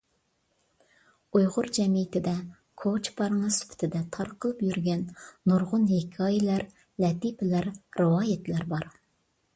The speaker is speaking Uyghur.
ئۇيغۇر جەمئىيىتىدە كوچا پارىڭى سۈپىتىدە تارقىلىپ يۈرگەن نۇرغۇن ھېكايىلەر، لەتىپىلەر، رىۋايەتلەر بار.